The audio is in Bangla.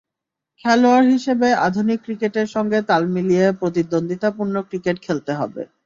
খেলোয়াড় হিসেবে আধুনিক ক্রিকেটের সঙ্গে তাল মিলিয়ে প্রতিদ্বন্দ্বিতাপূর্ণ ক্রিকেট খেলতে হবে।